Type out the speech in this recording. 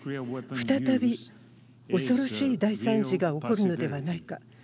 再び恐ろしい大惨事が起こるのではないか。